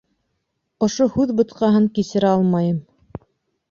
Ошо һүҙ бутҡаһын кисерә алмайым.